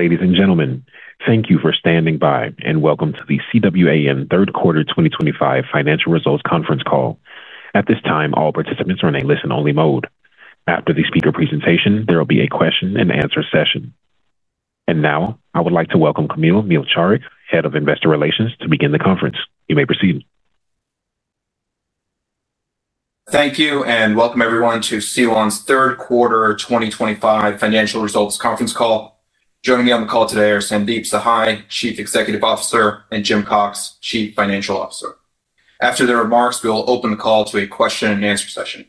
Ladies and gentlemen, thank you for standing by, and welcome to the CWAN Third Quarter 2025 Financial Results Conference Call. At this time, all participants are in a listen-only mode. After the speaker presentation, there will be a question-and-answer session. I would like to welcome Kamil Mielczarek, Head of Investor Relations, to begin the conference. You may proceed. Thank you, and welcome everyone to CWAN's Third Quarter 2025 Financial Results Conference Call. Joining me on the call today are Sandeep Sahai, Chief Executive Officer, and Jim Cox, Chief Financial Officer. After their remarks, we will open the call to a question-and-answer session.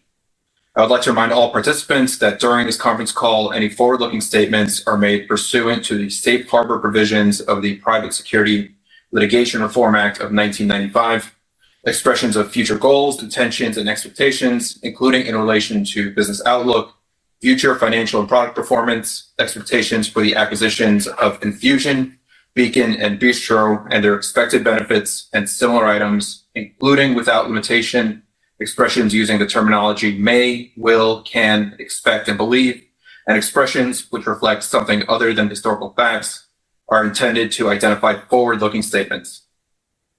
I would like to remind all participants that during this conference call, any forward-looking statements are made pursuant to the safe harbor provisions of the Private Securities Litigation Reform Act of 1995, expressions of future goals, intentions, and expectations, including in relation to business outlook, future financial and product performance, expectations for the acquisitions of Enfusion, Beacon, and Bistro, and their expected benefits and similar items, including without limitation, expressions using the terminology may, will, can, expect, and believe, and expressions which reflect something other than historical facts are intended to identify forward-looking statements.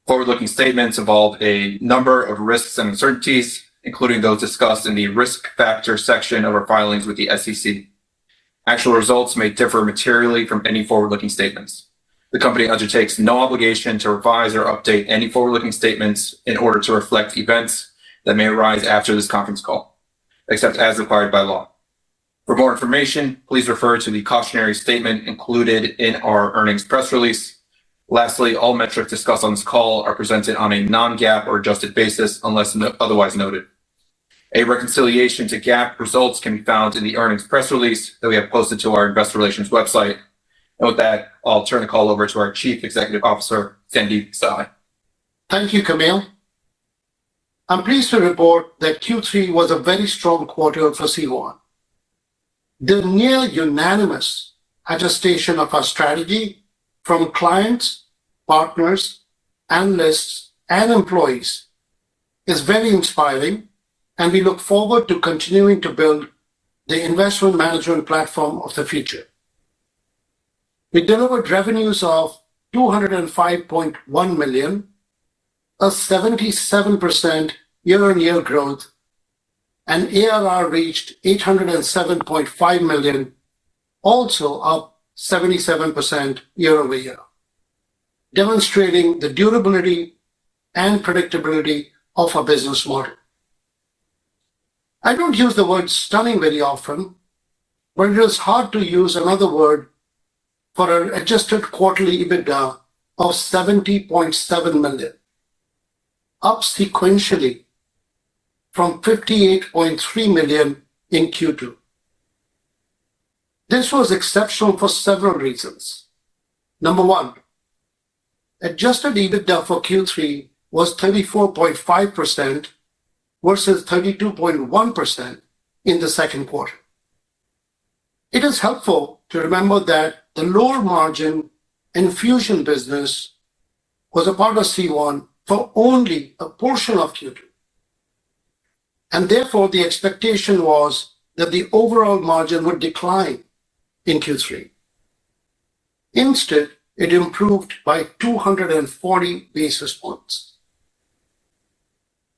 Forward-looking statements involve a number of risks and uncertainties, including those discussed in the risk factor section of our filings with the SEC. Actual results may differ materially from any forward-looking statements. The company undertakes no obligation to revise or update any forward-looking statements in order to reflect events that may arise after this conference call, except as required by law. For more information, please refer to the cautionary statement included in our earnings press release. Lastly, all metrics discussed on this call are presented on a non-GAAP or adjusted basis unless otherwise noted. A reconciliation to GAAP results can be found in the earnings press release that we have posted to our Investor Relations website. With that, I'll turn the call over to our Chief Executive Officer, Sandeep Sahai. Thank you, Kamil. I'm pleased to report that Q3 was a very strong quarter for CWAN. The near-unanimous adjustation of our strategy from clients, partners, analysts, and employees is very inspiring, and we look forward to continuing to build the investment management platform of the future. We delivered revenues of $205.1 million, a 77% year-on-year growth. ARR reached $807.5 million, also up 77% year-over-year. Demonstrating the durability and predictability of our business model. I don't use the word "stunning" very often, but it is hard to use another word. For an adjusted quarterly EBITDA of $70.7 million. Up sequentially from $58.3 million in Q2. This was exceptional for several reasons. Number one, adjusted EBITDA for Q3 was 34.5% versus 32.1% in the second quarter. It is helpful to remember that the lower margin Enfusion business was a part of CWAN for only a portion of Q2. Therefore, the expectation was that the overall margin would decline in Q3. Instead, it improved by 240 basis points.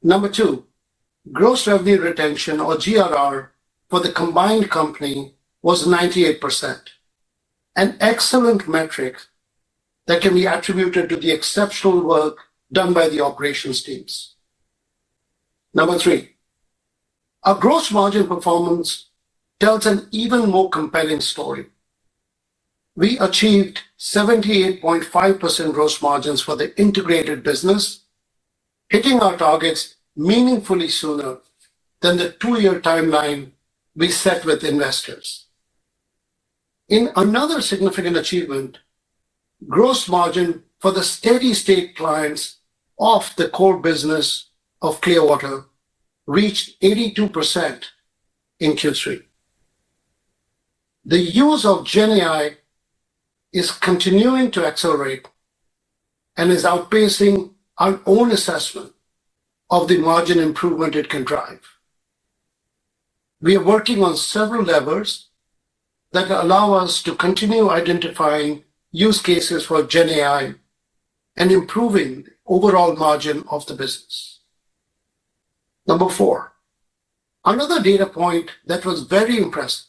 Number two, gross revenue retention, or GRR, for the combined company was 98%. An excellent metric that can be attributed to the exceptional work done by the operations teams. Number three. Our gross margin performance tells an even more compelling story. We achieved 78.5% gross margins for the integrated business. Hitting our targets meaningfully sooner than the two-year timeline we set with investors. In another significant achievement. Gross margin for the steady-state clients of the core business of Clearwater reached 82% in Q3. The use of GenAI is continuing to accelerate and is outpacing our own assessment of the margin improvement it can drive. We are working on several levers that allow us to continue identifying use cases for GenAI and improving the overall margin of the business. Number four. Another data point that was very impressive.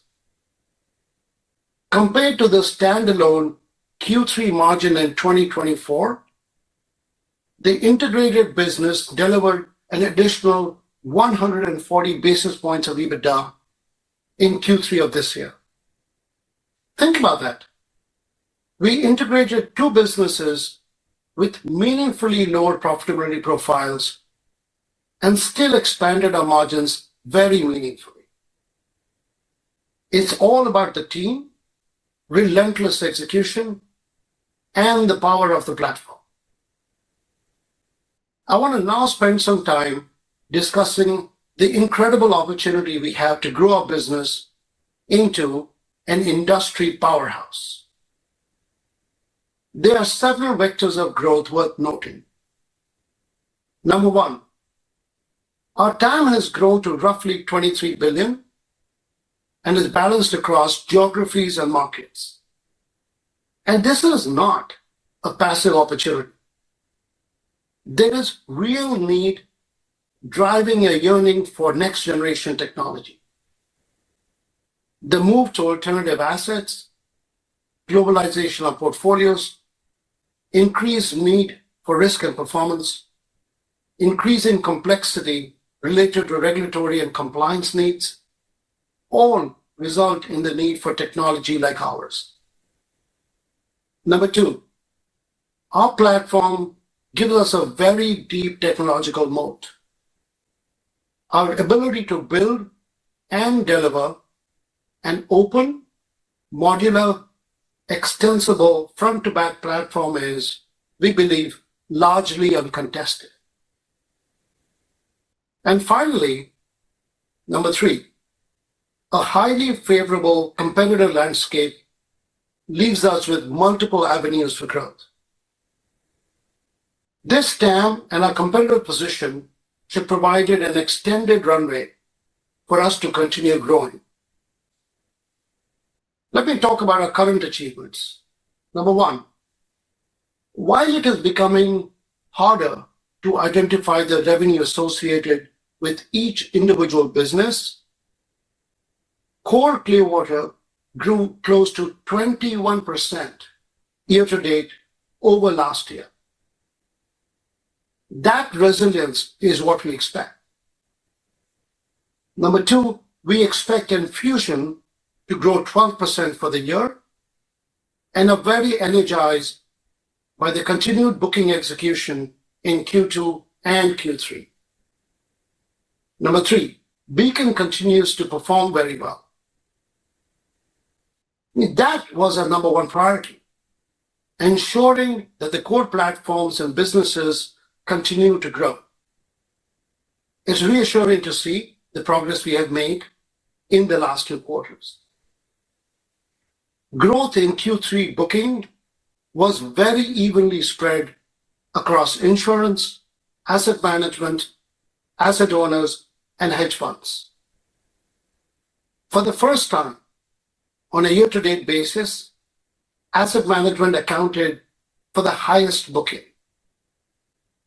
Compared to the standalone Q3 margin in 2024, the integrated business delivered an additional 140 basis points of EBITDA in Q3 of this year. Think about that. We integrated two businesses with meaningfully lower profitability profiles and still expanded our margins very meaningfully. It's all about the team, relentless execution, and the power of the platform. I want to now spend some time discussing the incredible opportunity we have to grow our business into an industry powerhouse. There are several vectors of growth worth noting. Number one, our TAM has grown to roughly $23 billion and is balanced across geographies and markets. This is not a passive opportunity. There is real need driving a yearning for next-generation technology. The move to alternative assets, globalization of portfolios, increased need for risk and performance. Increasing complexity related to regulatory and compliance needs, all result in the need for technology like ours. Number two. Our platform gives us a very deep technological moat. Our ability to build and deliver an open, modular, extensible front-to-back platform is, we believe, largely uncontested. Finally, number three. A highly favorable competitive landscape leaves us with multiple avenues for growth. This stance and our competitive position should provide an extended runway for us to continue growing. Let me talk about our current achievements. Number one. While it is becoming harder to identify the revenue associated with each individual business, core Clearwater grew close to 21% year-to-date over last year. That resilience is what we expect. Number two, we expect Enfusion to grow 12% for the year and are very energized by the continued booking execution in Q2 and Q3. Number three, Beacon continues to perform very well. That was our number one priority. Ensuring that the core platforms and businesses continue to grow. It is reassuring to see the progress we have made in the last two quarters. Growth in Q3 booking was very evenly spread across insurance, asset management, asset owners, and hedge funds. For the first time, on a year-to-date basis, asset management accounted for the highest booking,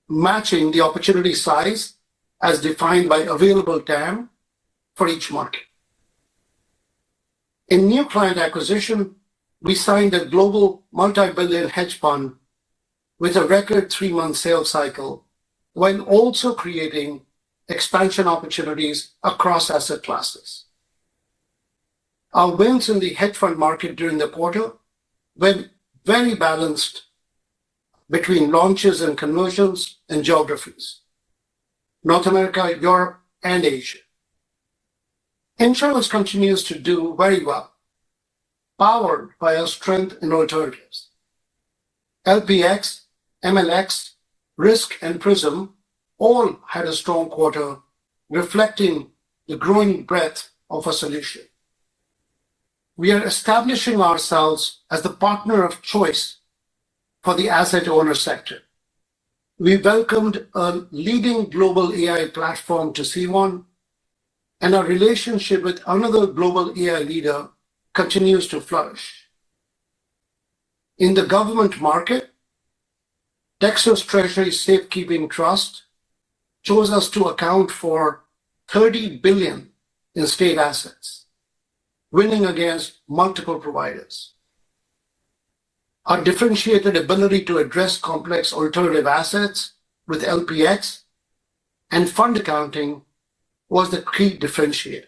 matching the opportunity size as defined by available time for each market. In new client acquisition, we signed a global multi-billion hedge fund with a record three-month sales cycle, while also creating expansion opportunities across asset classes. Our wins in the hedge fund market during the quarter were very balanced between launches and conversions and geographies: North America, Europe, and Asia. Insurance continues to do very well, powered by our strength in alternatives. LPX, MLX, Risk, and Prism all had a strong quarter, reflecting the growing breadth of our solution. We are establishing ourselves as the partner of choice for the asset owner sector. We welcomed a leading global AI platform to CWAN. Our relationship with another global AI leader continues to flourish. In the government market, Texas Treasury Safekeeping Trust chose us to account for $30 billion in state assets, winning against multiple providers. Our differentiated ability to address complex alternative assets with LPX and fund accounting was the key differentiator.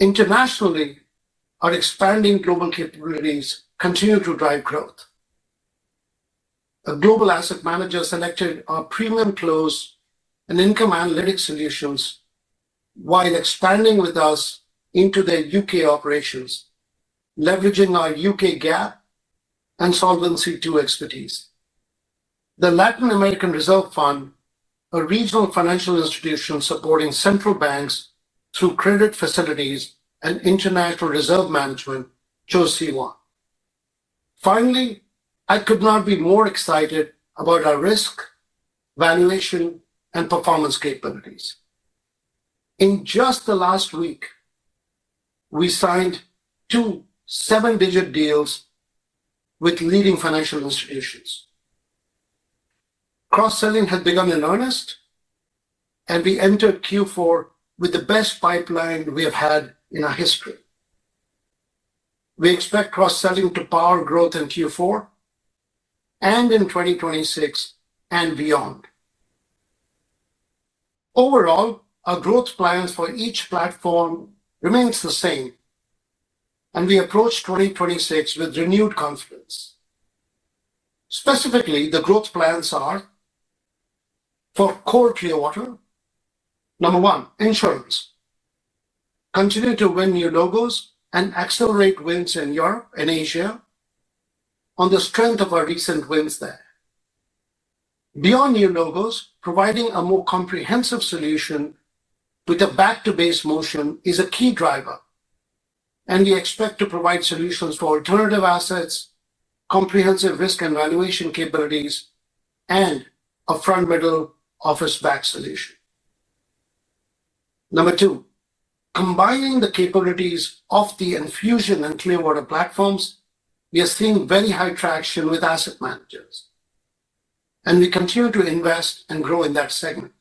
Internationally, our expanding global capabilities continue to drive growth. A global asset manager selected our premium close and income analytics solutions, while expanding with us into their U.K. operations, leveraging our U.K. GAAP and Solvency expertise. The Latin American Reserve Fund, a regional financial institution supporting central banks through credit facilities and international reserve management, chose CWAN. Finally, I could not be more excited about our risk, valuation, and performance capabilities. In just the last week, we signed two seven-digit deals with leading financial institutions. Cross-selling has become in earnest, and we entered Q4 with the best pipeline we have had in our history. We expect cross-selling to power growth in Q4 and in 2026 and beyond. Overall, our growth plans for each platform remain the same, and we approach 2026 with renewed confidence. Specifically, the growth plans are for Core Clearwater. Number one, insurance. Continue to win new logos and accelerate wins in Europe and Asia on the strength of our recent wins there. Beyond new logos, providing a more comprehensive solution with a back-to-base motion is a key driver, and we expect to provide solutions for alternative assets, comprehensive risk and valuation capabilities, and a front-middle office-backed solution. Number two, combining the capabilities of the Enfusion and Clearwater platforms, we are seeing very high traction with asset managers. We continue to invest and grow in that segment.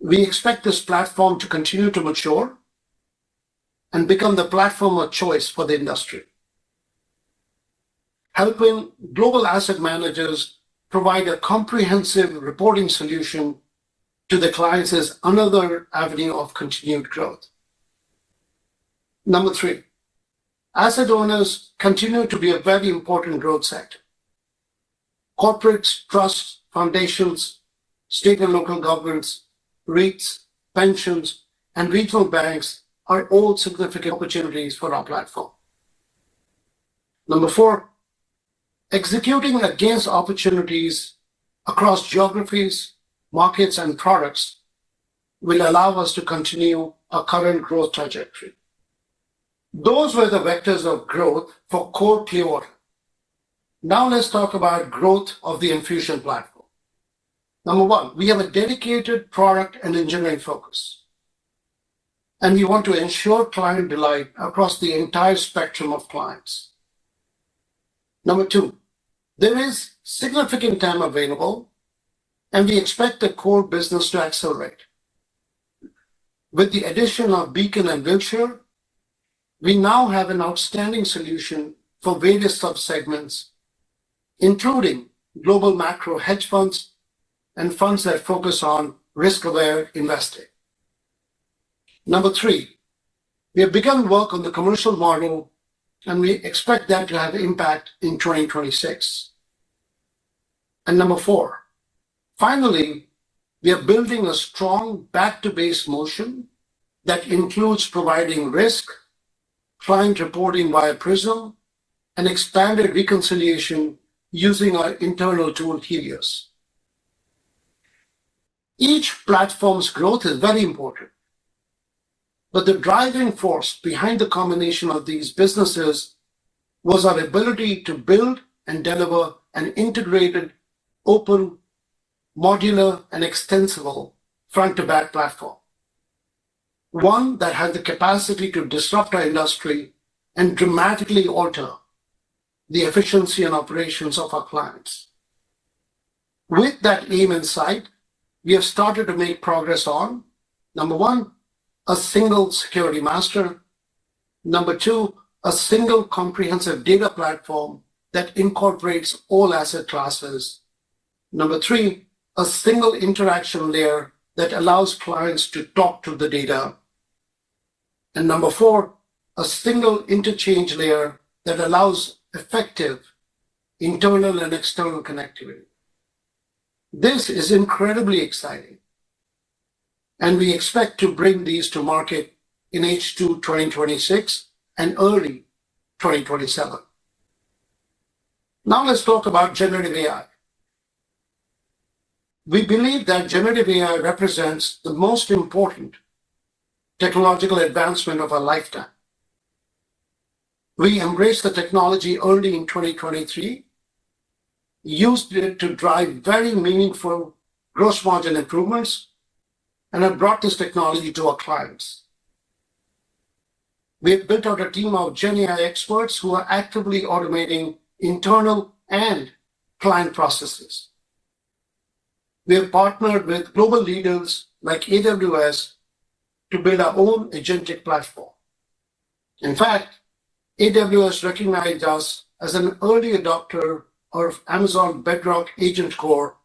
We expect this platform to continue to mature. It will become the platform of choice for the industry. Helping global asset managers provide a comprehensive reporting solution to the clients is another avenue of continued growth. Number three. Asset owners continue to be a very important growth sector. Corporates, trusts, foundations, state and local governments, REITs, pensions, and regional banks are all significant opportunities for our platform. Number four. Executing against opportunities across geographies, markets, and products will allow us to continue our current growth trajectory. Those were the vectors of growth for Core Clearwater. Now let's talk about growth of the Enfusion platform. Number one, we have a dedicated product and engineering focus. We want to ensure client delight across the entire spectrum of clients. Number two, there is significant time available. We expect the core business to accelerate. With the addition of Beacon and Wiltshire, we now have an outstanding solution for various subsegments, including global macro hedge funds and funds that focus on risk-aware investing. Number three, we have begun work on the commercial model, and we expect that to have impact in 2026. Number four, finally, we are building a strong back-to-base motion that includes providing risk, client reporting via Prism, and expanded reconciliation using our internal tool HELIOs. Each platform's growth is very important. The driving force behind the combination of these businesses was our ability to build and deliver an integrated, open, modular, and extensible front-to-back platform. One that has the capacity to disrupt our industry and dramatically alter the efficiency and operations of our clients. With that aim in sight, we have started to make progress on, number one, a single security master. Number two, a single comprehensive data platform that incorporates all asset classes. Number three, a single interaction layer that allows clients to talk to the data. Number four, a single interchange layer that allows effective internal and external connectivity. This is incredibly exciting. We expect to bring these to market in H2 2026 and early 2027. Now let's talk about generative AI. We believe that generative AI represents the most important technological advancement of our lifetime. We embraced the technology early in 2023, used it to drive very meaningful gross margin improvements, and have brought this technology to our clients. We have built out a team of GenAI experts who are actively automating internal and client processes. We have partnered with global leaders like AWS to build our own agentic platform. In fact, AWS recognized us as an early adopter of Amazon Bedrock Agent Core,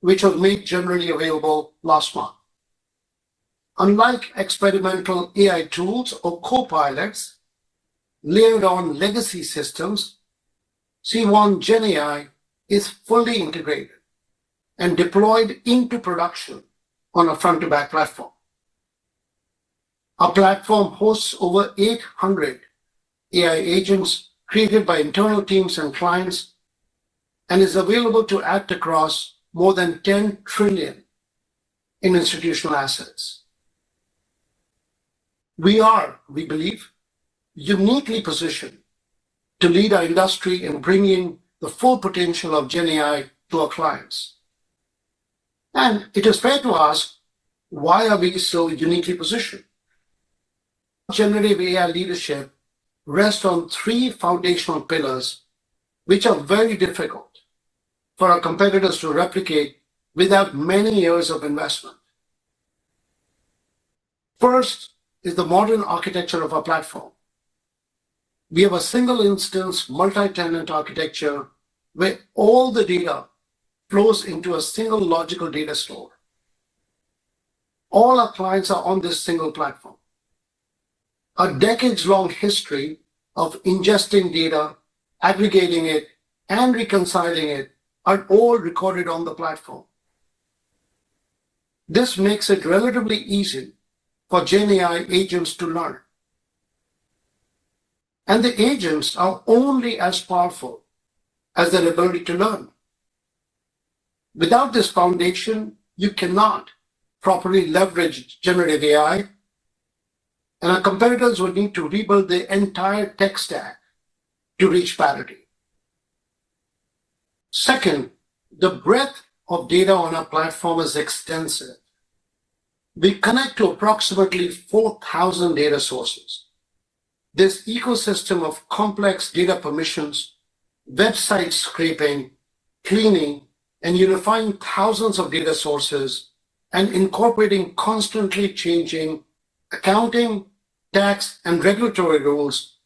which was made generally available last month. Unlike experimental AI tools or copilots layered on legacy systems, CWAN GenAI is fully integrated and deployed into production on a front-to-back platform. Our platform hosts over 800 AI agents created by internal teams and clients and is available to act across more than $10 trillion in institutional assets. We are, we believe, uniquely positioned to lead our industry in bringing the full potential of GenAI to our clients. It is fair to ask, why are we so uniquely positioned? Generative AI leadership rests on three foundational pillars, which are very difficult for our competitors to replicate without many years of investment. First is the modern architecture of our platform. We have a single-instance multi-tenant architecture where all the data flows into a single logical data store. All our clients are on this single platform. A decades-long history of ingesting data, aggregating it, and reconciling it are all recorded on the platform. This makes it relatively easy for GenAI agents to learn. The agents are only as powerful as their ability to learn. Without this foundation, you cannot properly leverage generative AI. Our competitors will need to rebuild their entire tech stack to reach parity. Second, the breadth of data on our platform is extensive. We connect to approximately 4,000 data sources. This ecosystem of complex data permissions, website scraping, cleaning, and unifying thousands of data sources, and incorporating constantly changing accounting, tax, and regulatory rules,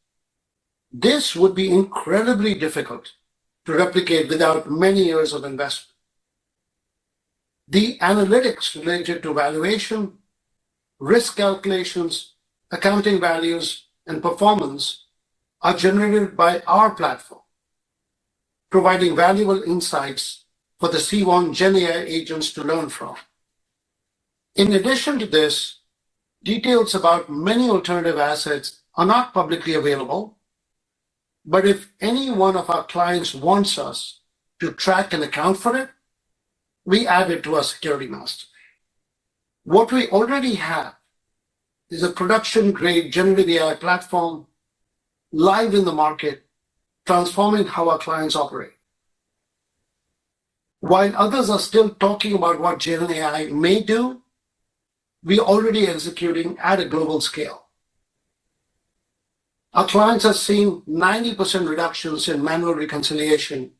this would be incredibly difficult to replicate without many years of investment. The analytics related to valuation, risk calculations, accounting values, and performance are generated by our platform, providing valuable insights for the CWAN GenAI agents to learn from. In addition to this, details about many alternative assets are not publicly available. If any one of our clients wants us to track and account for it, we add it to our security master. What we already have is a production-grade generative AI platform, live in the market, transforming how our clients operate. While others are still talking about what GenAI may do, we are already executing at a global scale. Our clients have seen 90% reductions in manual reconciliation.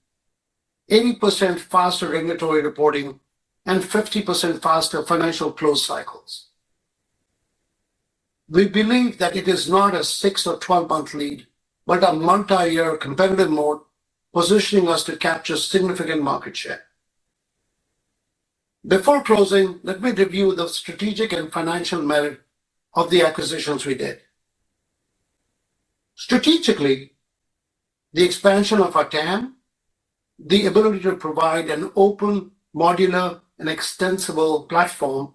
80% faster regulatory reporting, and 50% faster financial close cycles. We believe that it is not a 6- or 12-month lead, but a multi-year competitive moat, positioning us to capture significant market share. Before closing, let me review the strategic and financial merit of the acquisitions we did. Strategically, the expansion of our TAM, the ability to provide an open, modular, and extensible platform,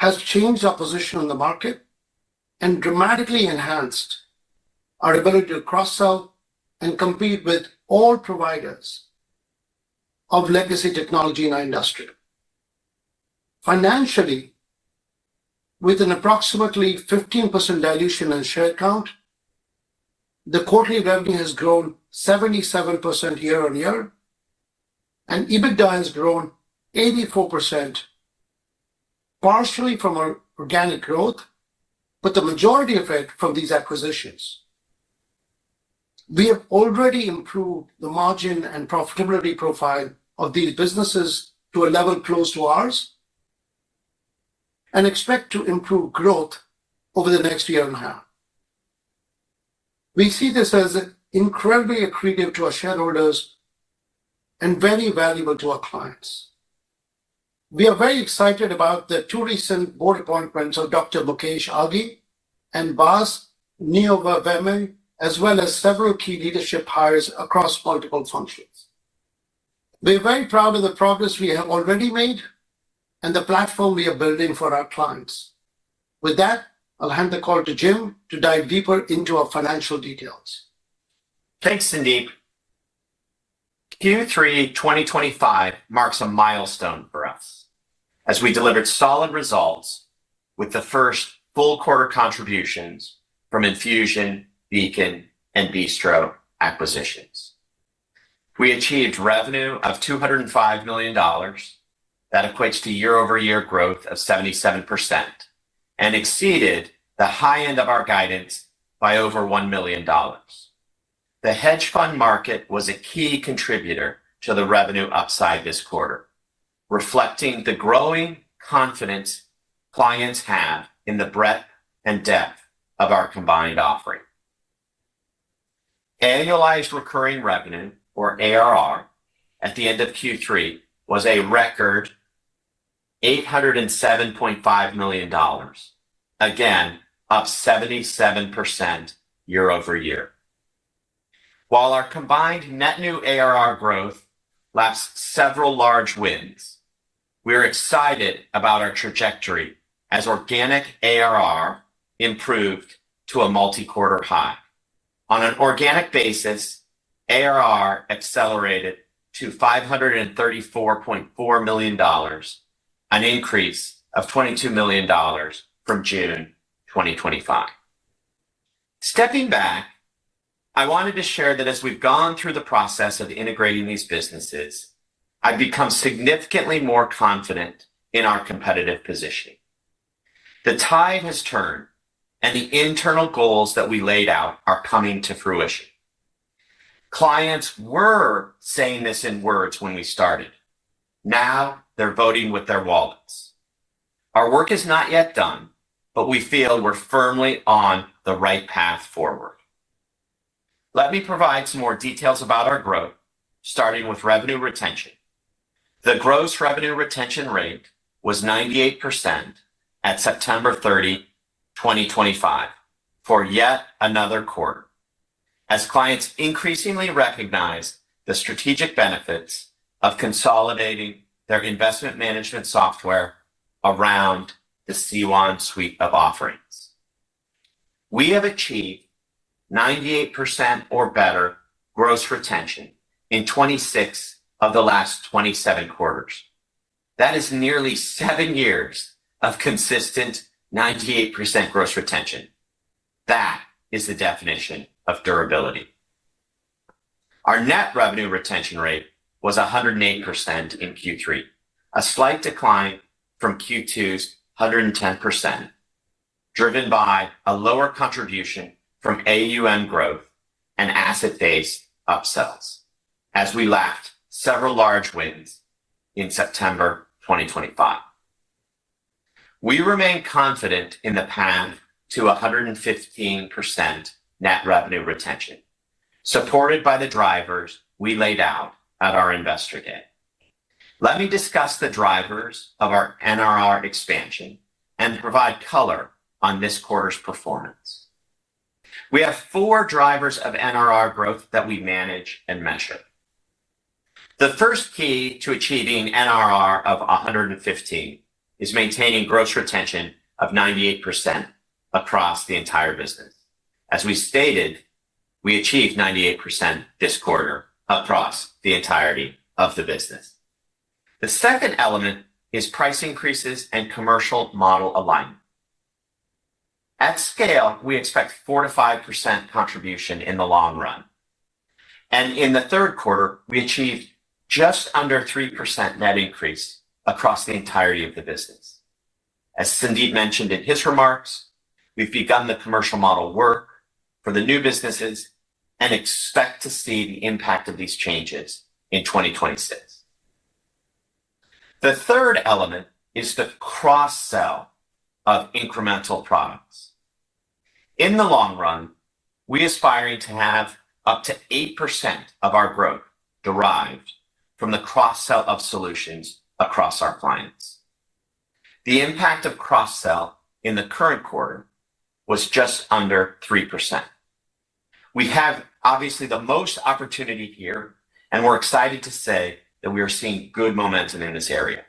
has changed our position in the market and dramatically enhanced our ability to cross-sell and compete with all providers of legacy technology in our industry. Financially, with an approximately 15% dilution in share count, the quarterly revenue has grown 77% year-on-year, and EBITDA has grown 84%, partially from our organic growth, but the majority of it from these acquisitions. We have already improved the margin and profitability profile of these businesses to a level close to ours. Expect to improve growth over the next year and a half. We see this as incredibly accretive to our shareholders and very valuable to our clients. We are very excited about the two recent board appointments of Dr. Mukesh Aghi and Bas NieuweWeme, as well as several key leadership hires across multiple functions. We are very proud of the progress we have already made and the platform we are building for our clients. With that, I'll hand the call to Jim to dive deeper into our financial details. Thanks, Sandeep. Q3 2025 marks a milestone for us as we delivered solid results with the first full quarter contributions from Enfusion, Beacon, and Bistro acquisitions. We achieved revenue of $205 million. That equates to year-over-year growth of 77% and exceeded the high end of our guidance by over $1 million. The hedge fund market was a key contributor to the revenue upside this quarter, reflecting the growing confidence clients have in the breadth and depth of our combined offering. Annualized recurring revenue, or ARR, at the end of Q3 was a record $807.5 million. Again, up 77% year-over-year. While our combined net new ARR growth lapsed several large wins, we are excited about our trajectory as organic ARR improved to a multi-quarter high. On an organic basis, ARR accelerated to $534.4 million, an increase of $22 million from June 2025. Stepping back, I wanted to share that as we've gone through the process of integrating these businesses, I've become significantly more confident in our competitive positioning. The tide has turned, and the internal goals that we laid out are coming to fruition. Clients were saying this in words when we started. Now they're voting with their wallets. Our work is not yet done, but we feel we're firmly on the right path forward. Let me provide some more details about our growth, starting with revenue retention. The gross revenue retention rate was 98% at September 30, 2025, for yet another quarter, as clients increasingly recognize the strategic benefits of consolidating their investment management software around the CWAN suite of offerings. We have achieved 98% or better gross retention in 26 of the last 27 quarters. That is nearly seven years of consistent 98% gross retention. That is the definition of durability. Our net revenue retention rate was 108% in Q3, a slight decline from Q2's 110%, driven by a lower contribution from AUM growth and asset-based upsells, as we lapped several large wins in September 2025. We remain confident in the path to 115% net revenue retention, supported by the drivers we laid out at our investor day. Let me discuss the drivers of our NRR expansion and provide color on this quarter's performance. We have four drivers of NRR growth that we manage and measure. The first key to achieving NRR of 115% is maintaining gross retention of 98% across the entire business. As we stated, we achieved 98% this quarter across the entirety of the business. The second element is price increases and commercial model alignment. At scale, we expect 4%-5% contribution in the long run. In the third quarter, we achieved just under 3% net increase across the entirety of the business. As Sandeep mentioned in his remarks, we've begun the commercial model work for the new businesses and expect to see the impact of these changes in 2026. The third element is the cross-sell of incremental products. In the long run, we aspire to have up to 8% of our growth derived from the cross-sell of solutions across our clients. The impact of cross-sell in the current quarter was just under 3%. We have obviously the most opportunity here, and we're excited to say that we are seeing good momentum in this area.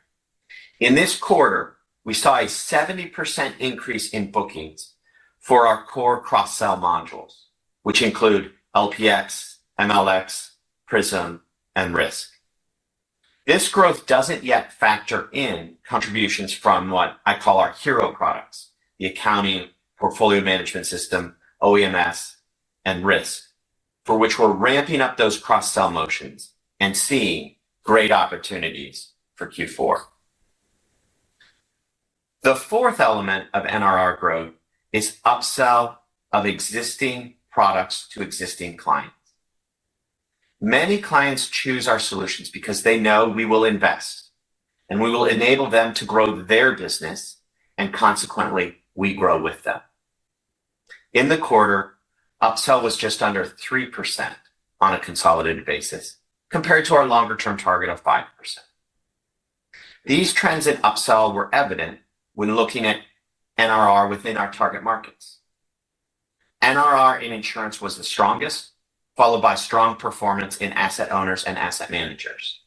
In this quarter, we saw a 70% increase in bookings for our core cross-sell modules, which include LPX, MLX, Prism, and Risk. This growth does not yet factor in contributions from what I call our hero products, the Accounting, Portfolio Management System, OEMS, and Risk, for which we're ramping up those cross-sell motions and seeing great opportunities for Q4. The fourth element of NRR growth is upsell of existing products to existing clients. Many clients choose our solutions because they know we will invest, and we will enable them to grow their business, and consequently, we grow with them. In the quarter, upsell was just under 3% on a consolidated basis compared to our longer-term target of 5%. These trends in upsell were evident when looking at NRR within our target markets. NRR in insurance was the strongest, followed by strong performance in asset owners and asset managers.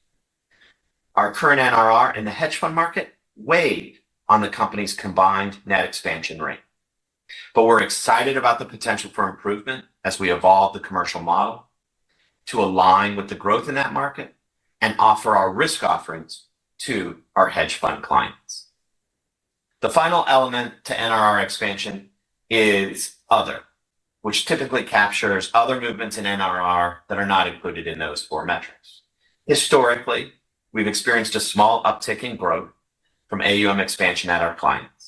Our current NRR in the hedge fund market weighed on the company's combined net expansion rate. We are excited about the potential for improvement as we evolve the commercial model to align with the growth in that market and offer our risk offerings to our hedge fund clients. The final element to NRR expansion is other, which typically captures other movements in NRR that are not included in those four metrics. Historically, we've experienced a small uptick in growth from AUM expansion at our clients.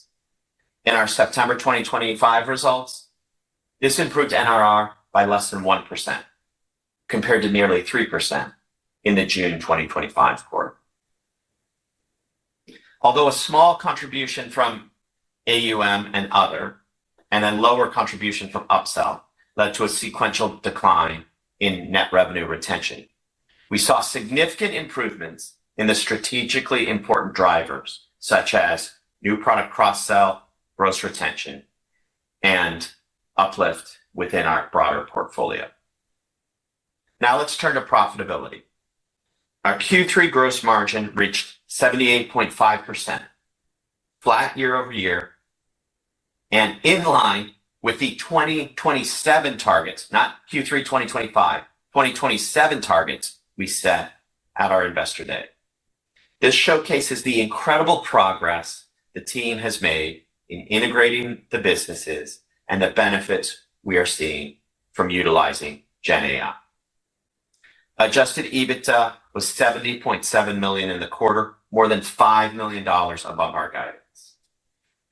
In our September 2025 results, this improved NRR by less than 1%. Compared to nearly 3% in the June 2025 quarter. Although a small contribution from AUM and other, and a lower contribution from upsell, led to a sequential decline in net revenue retention, we saw significant improvements in the strategically important drivers, such as new product cross-sell, gross retention, and uplift within our broader portfolio. Now let's turn to profitability. Our Q3 gross margin reached 78.5%. Flat year-over-year. In line with the 2027 targets, not Q3 2025, 2027 targets, we set at our investor day. This showcases the incredible progress the team has made in integrating the businesses and the benefits we are seeing from utilizing GenAI. Adjusted EBITDA was $70.7 million in the quarter, more than $5 million above our guidance.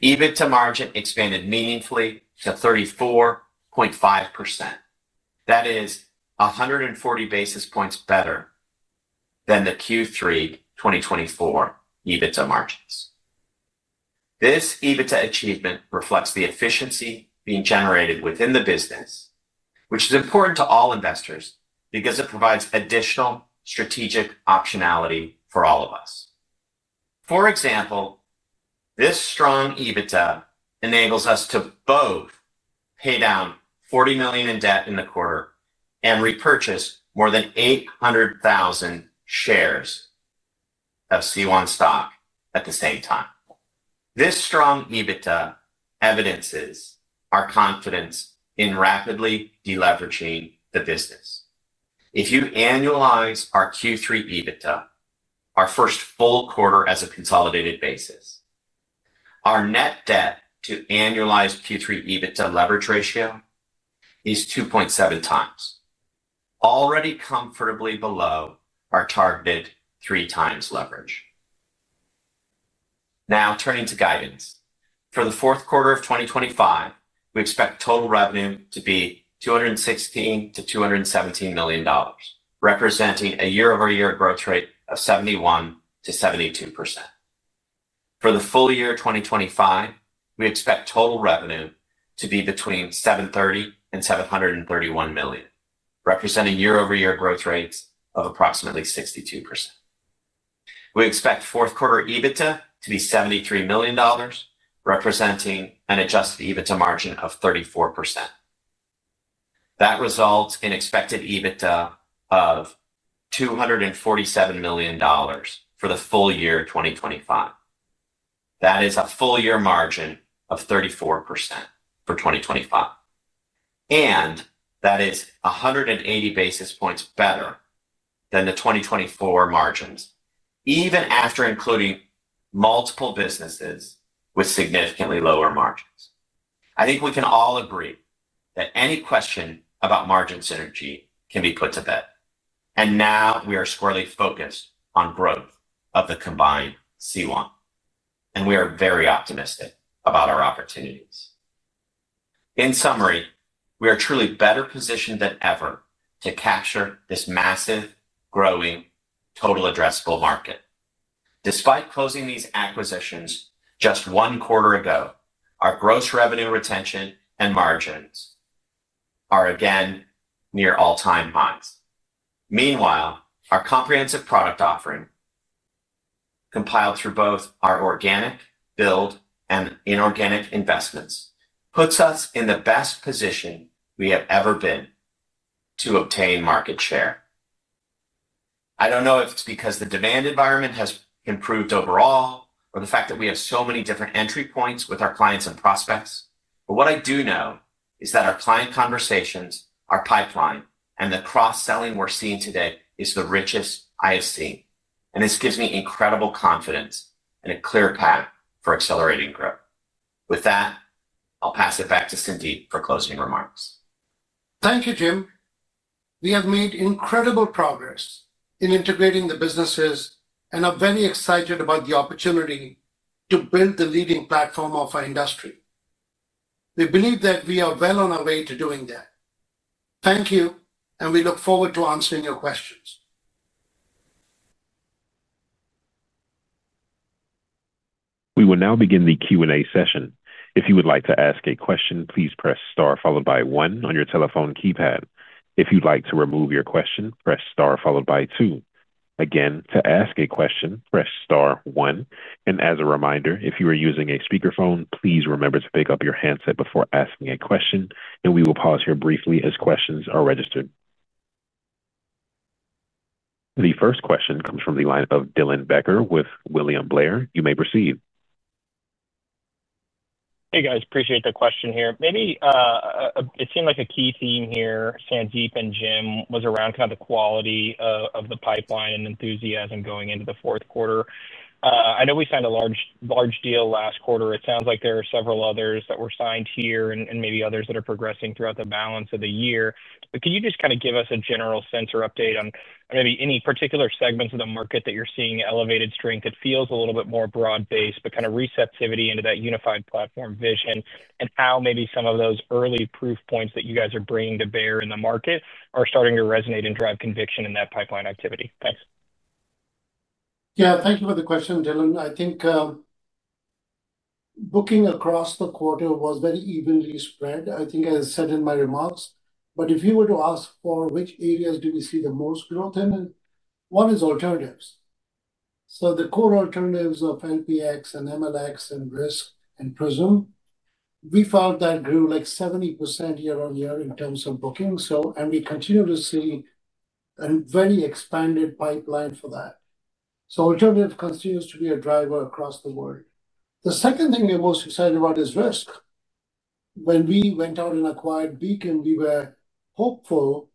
EBITDA margin expanded meaningfully to 34.5%. That is 140 basis points better than the Q3 2024 EBITDA margins. This EBITDA achievement reflects the efficiency being generated within the business, which is important to all investors because it provides additional strategic optionality for all of us. For example, this strong EBITDA enables us to both pay down $40 million in debt in the quarter and repurchase more than 800,000 shares of CWAN stock at the same time. This strong EBITDA evidences our confidence in rapidly deleveraging the business. If you annualize our Q3 EBITDA, our first full quarter as a consolidated basis, our net debt to annualized Q3 EBITDA leverage ratio is 2.7x, already comfortably below our targeted 3x leverage. Now turning to guidance, for the fourth quarter of 2025, we expect total revenue to be $216 million-$217 million, representing a year-over-year growth rate of 71%-72%. For the full year 2025, we expect total revenue to be between $730 million and $731 million, representing year-over-year growth rates of approximately 62%. We expect fourth quarter EBITDA to be $73 million, representing an adjusted EBITDA margin of 34%. That results in expected EBITDA of $247 million for the full year 2025. That is a full year margin of 34% for 2025, and that is 180 basis points better than the 2024 margins, even after including multiple businesses with significantly lower margins. I think we can all agree that any question about margin synergy can be put to bed. Now we are squarely focused on growth of the combined C1, and we are very optimistic about our opportunities. In summary, we are truly better positioned than ever to capture this massive growing total addressable market. Despite closing these acquisitions just one quarter ago, our gross revenue retention and margins. Are again near all-time highs. Meanwhile, our comprehensive product offering, compiled through both our organic build and inorganic investments, puts us in the best position we have ever been to obtain market share. I do not know if it is because the demand environment has improved overall or the fact that we have so many different entry points with our clients and prospects. What I do know is that our client conversations, our pipeline, and the cross-selling we are seeing today is the richest I have seen. This gives me incredible confidence and a clear path for accelerating growth. With that, I will pass it back to Sandeep for closing remarks. Thank you, Jim. We have made incredible progress in integrating the businesses, and I am very excited about the opportunity to build the leading platform of our industry. We believe that we are well on our way to doing that. Thank you, and we look forward to answering your questions. We will now begin the Q&A session. If you would like to ask a question, please press star followed by one on your telephone keypad. If you'd like to remove your question, press star followed by two. Again, to ask a question, press star one. As a reminder, if you are using a speakerphone, please remember to pick up your handset before asking a question. We will pause here briefly as questions are registered. The first question comes from the line of Dylan Becker with William Blair. You may proceed. Hey, guys. Appreciate the question here. Maybe. It seemed like a key theme here, Sandeep and Jim, was around kind of the quality of the pipeline and enthusiasm going into the fourth quarter. I know we signed a large deal last quarter. It sounds like there are several others that were signed here and maybe others that are progressing throughout the balance of the year. Can you just kind of give us a general sense or update on maybe any particular segments of the market that you're seeing elevated strength? It feels a little bit more broad-based, but kind of receptivity into that unified platform vision and how maybe some of those early proof points that you guys are bringing to bear in the market are starting to resonate and drive conviction in that pipeline activity. Thanks. Yeah, thank you for the question, Dylan. I think booking across the quarter was very evenly spread, I think, as I said in my remarks. If you were to ask for which areas do we see the most growth in, one is alternatives. The core alternatives of LPX and MLX and Risk and Prism, we found that grew like 70% year-on-year in terms of booking. We continue to see a very expanded pipeline for that. Alternative continues to be a driver across the world. The second thing we're most excited about is Risk. When we went out and acquired Beacon, we were hopeful,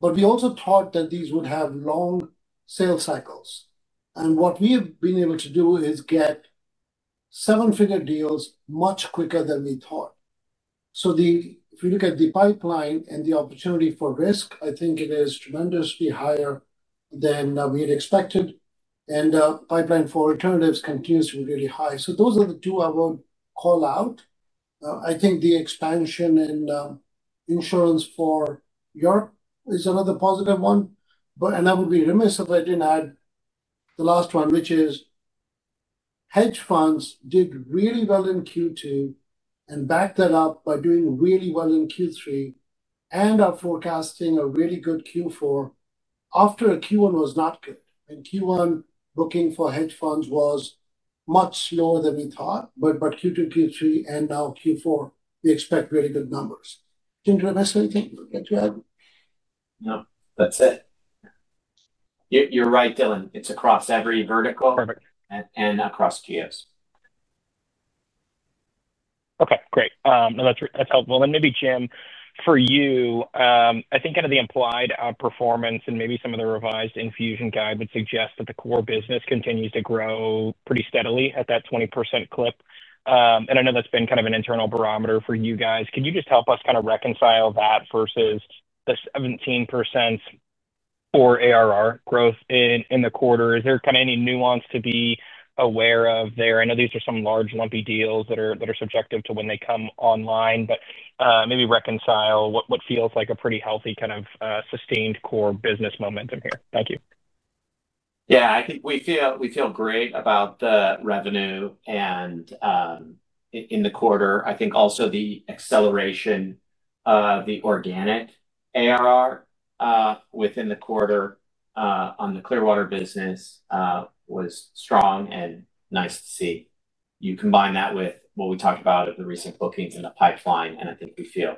but we also thought that these would have long sale cycles. What we have been able to do is get seven-figure deals much quicker than we thought. If you look at the pipeline and the opportunity for Risk, I think it is tremendously higher than we had expected. The pipeline for alternatives continues to be really high. Those are the two I would call out. I think the expansion in insurance for Europe is another positive one. I would be remiss if I did not add the last one, which is hedge funds did really well in Q2 and backed that up by doing really well in Q3 and are forecasting a really good Q4 after Q1 was not good. Q1 booking for hedge funds was much slower than we thought. Q2, Q3, and now Q4, we expect really good numbers. Jim, did I miss anything that you added? No, that is it. You are right, Dylan. It is across every vertical. And across QS. Okay. Great. That is helpful. Maybe, Jim, for you, I think kind of the implied performance and maybe some of the revised Enfusion guide would suggest that the core business continues to grow pretty steadily at that 20% clip. I know that has been kind of an internal barometer for you guys. Could you just help us kind of reconcile that versus the 17% for ARR growth in the quarter? Is there kind of any nuance to be aware of there? I know these are some large, lumpy deals that are subjective to when they come online, but maybe reconcile what feels like a pretty healthy kind of sustained core business momentum here. Thank you. Yeah. I think we feel great about the revenue in the quarter. I think also the acceleration of the organic ARR within the quarter on the Clearwater business was strong and nice to see. You combine that with what we talked about of the recent booking in the pipeline, and I think we feel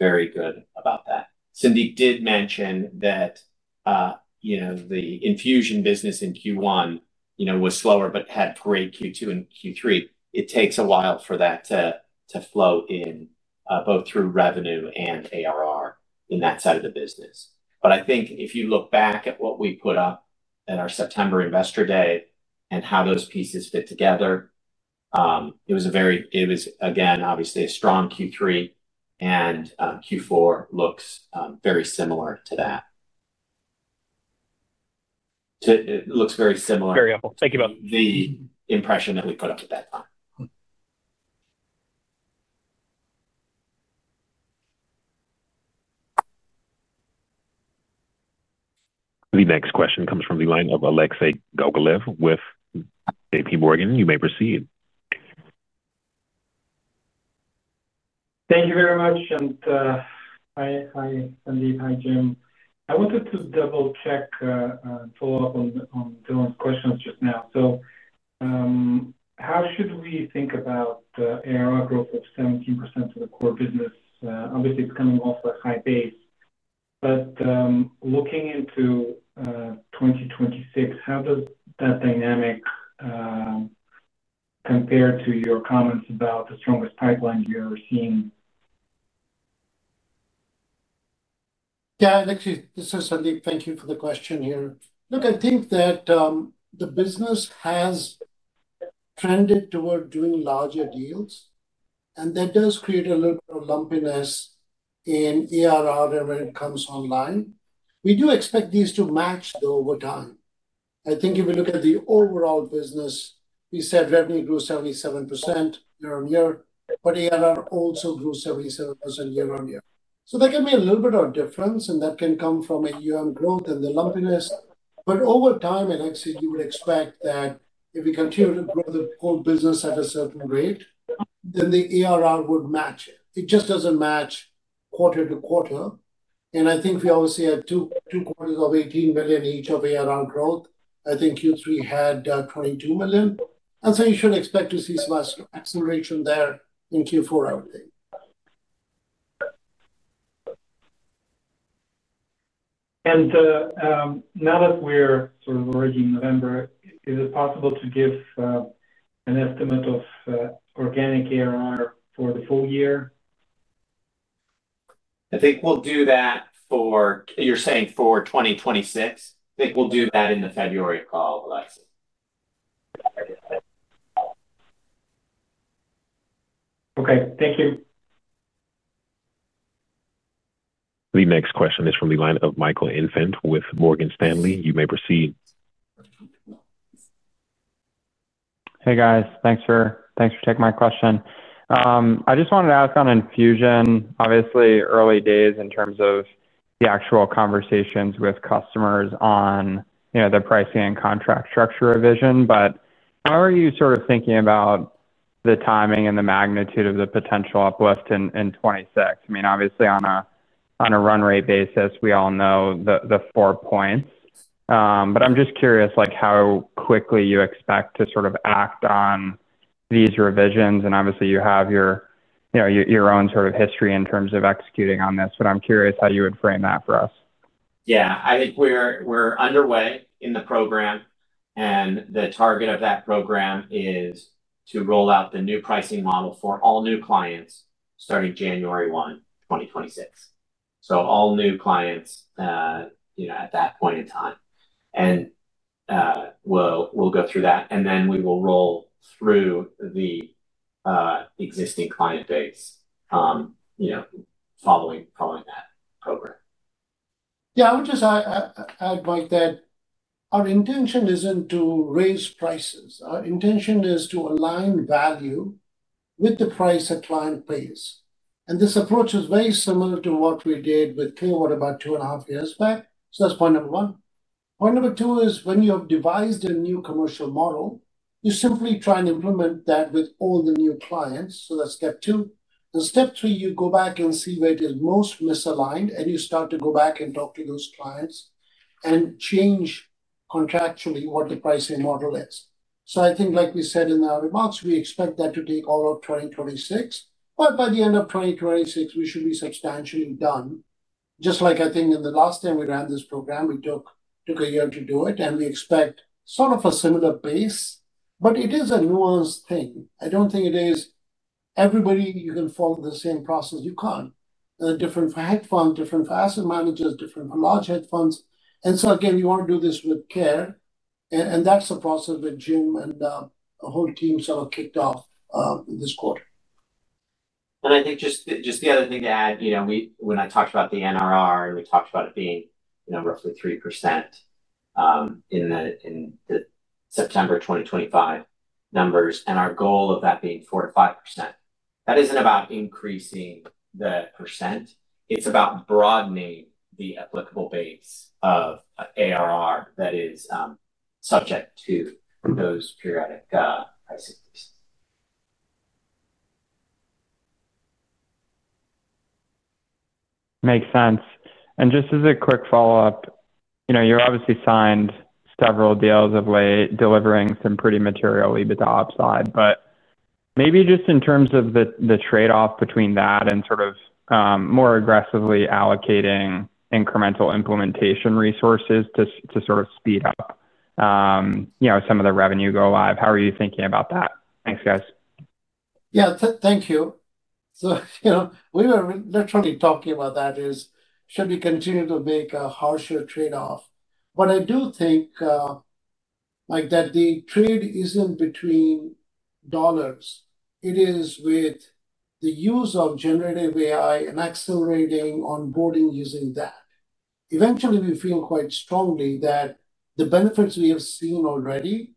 very good about that. Sandeep did mention that the Enfusion business in Q1 was slower but had great Q2 and Q3. It takes a while for that to flow in both through revenue and ARR in that side of the business. I think if you look back at what we put up at our September investor day and how those pieces fit together, it was a very—it was, again, obviously a strong Q3, and Q4 looks very similar to that. It looks very similar. Very helpful. Thank you both. The impression that we put up at that time. The next question comes from the line of Alexei Gogolev with J.P. Morgan. You may proceed. Thank you very much. Hi, Sandeep. Hi, Jim. I wanted to double-check and follow up on Dylan's questions just now. How should we think about the ARR growth of 17% of the core business? Obviously, it's coming off a high pace. Looking into 2026, how does that dynamic. Compare to your comments about the strongest pipeline you're seeing? Yeah. Actually, this is Sandeep. Thank you for the question here. Look, I think that the business has trended toward doing larger deals, and that does create a little bit of lumpiness in ARR when it comes online. We do expect these to match though over time. I think if we look at the overall business, we said revenue grew 77% year-on-year, but ARR also grew 77% year-on-year. That can be a little bit of a difference, and that can come from a year-end growth and the lumpiness. Over time, I'd like to say you would expect that if we continue to grow the core business at a certain rate, then the ARR would match it. It just does not match quarter-to-quarter. I think we obviously had two quarters of $18 million each of ARR growth. I think Q3 had $22 million. You should expect to see some acceleration there in Q4, I would think. Now that we're sort of already in November, is it possible to give an estimate of organic ARR for the full year? I think we'll do that for—you're saying for 2026? I think we'll do that in the February call, Alexei. Okay. Thank you. The next question is from the line of Michael Infante with Morgan Stanley. You may proceed. Hey, guys. Thanks for taking my question. I just wanted to ask on Enfusion, obviously early days in terms of the actual conversations with customers on the pricing and contract structure revision. How are you sort of thinking about the timing and the magnitude of the potential uplift in 2026? I mean, obviously, on a run rate basis, we all know the four points. I'm just curious how quickly you expect to sort of act on these revisions. Obviously, you have your own sort of history in terms of executing on this. I'm curious how you would frame that for us. Yeah, I think we're underway in the program, and the target of that program is to roll out the new pricing model for all new clients starting January 1, 2026. All new clients at that point in time. We'll go through that, and then we will roll through the existing client base [following that program]. Yeah, I would just add to that, our intention isn't to raise prices. Our intention is to align value with the price a client pays, and this approach is very similar to what we did with Clearwater about two and a half years back. That's point number one. Point number two is when you have devised a new commercial model, you simply try and implement that with all the new clients. That is step two. Step three, you go back and see where it is most misaligned, and you start to go back and talk to those clients and change contractually what the pricing model is. I think, like we said in our remarks, we expect that to take all of 2026. By the end of 2026, we should be substantially done. Just like I think in the last time we ran this program, we took a year to do it, and we expect sort of a similar pace. It is a nuanced thing. I do not think it is everybody you can follow the same process. You cannot. Different for hedge funds, different for asset managers, different for large hedge funds. You want to do this with care. That is a process that Jim and a whole team sort of kicked off this quarter. I think just the other thing to add, when I talked about the NRR, we talked about it being roughly 3% in the September 2025 numbers and our goal of that being 4-5%. That is not about increasing the percent. It is about broadening the applicable base of ARR that is subject to those periodic pricings. Makes sense. Just as a quick follow-up, you have obviously signed several deals of late delivering some pretty material EBITDA upside. Maybe just in terms of the trade-off between that and more aggressively allocating incremental implementation resources to speed up some of the revenue go live, how are you thinking about that? Thanks, guys. Yeah. Yeah. Thank you. We were literally talking about that, is should we continue to make a harsher trade-off? I do think that the trade is not between dollars. It is with the use of generative AI and accelerating onboarding using that. Eventually, we feel quite strongly that the benefits we have seen already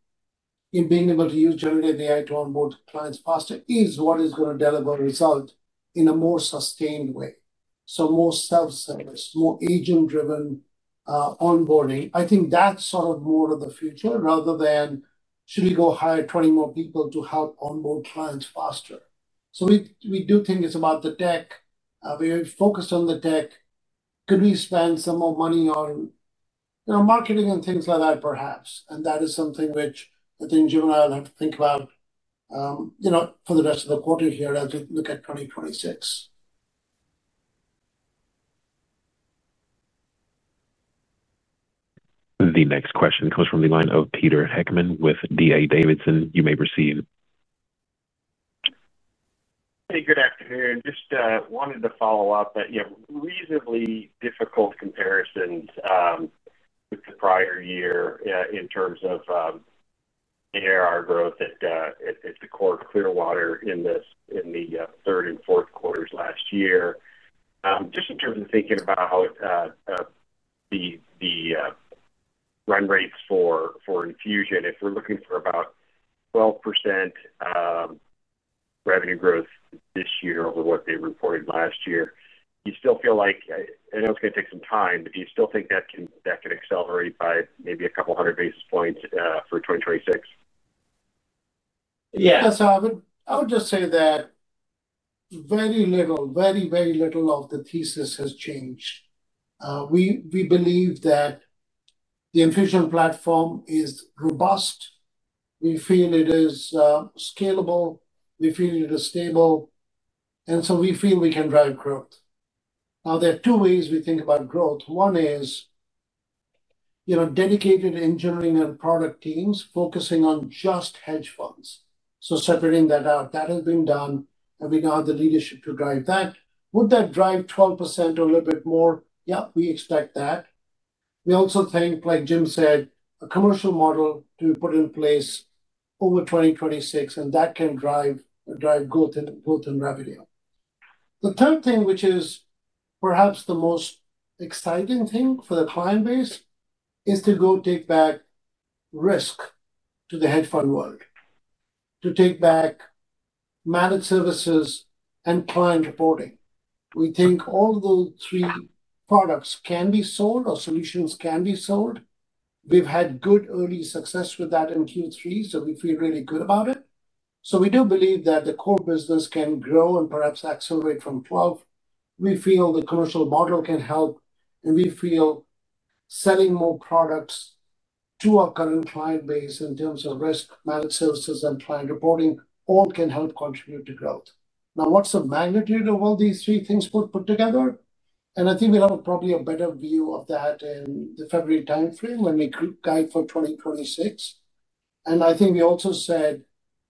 in being able to use generative AI to onboard clients faster is what is going to deliver a result in a more sustained way. More self-service, more agent-driven onboarding. I think that's sort of more of the future rather than should we go hire 20 more people to help onboard clients faster. We do think it's about the tech. We're focused on the tech. Could we spend some more money on marketing and things like that, perhaps? That is something which I think Jim and I will have to think about. For the rest of the quarter here as we look at 2026. The next question comes from the line of Peter Heckmann with D.A. Davidson. You may proceed. Hey, good afternoon. Just wanted to follow up that reasonably difficult comparisons with the prior year in terms of ARR growth at the core Clearwater in the third and fourth quarters last year. Just in terms of thinking about the run rates for Enfusion, if we're looking for about 12% revenue growth this year over what they reported last year, you still feel like I know it's going to take some time, but do you still think that can accelerate by maybe a couple hundred basis points for 2026? Yeah. I would just say that very little, very, very little of the thesis has changed. We believe that the Enfusion platform is robust. We feel it is scalable. We feel it is stable. We feel we can drive growth. There are two ways we think about growth. One is dedicated engineering and product teams focusing on just hedge funds. Separating that out, that has been done. We now have the leadership to drive that. Would that drive 12% or a little bit more? Yeah, we expect that. We also think, like Jim said, a commercial model to be put in place over 2026, and that can drive growth in revenue. The third thing, which is perhaps the most exciting thing for the client base, is to go take back Risk to the hedge fund world. To take back managed services and client reporting. We think all those three products can be sold or solutions can be sold. We've had good early success with that in Q3, so we feel really good about it. We do believe that the core business can grow and perhaps accelerate from 12. We feel the commercial model can help, and we feel selling more products to our current client base in terms of risk, managed services, and client reporting all can help contribute to growth. Now, what's the magnitude of all these three things put together? I think we'll have probably a better view of that in the February timeframe when we guide for 2026. I think we also said